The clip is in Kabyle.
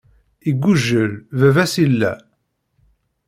Iggujel, baba-s illa.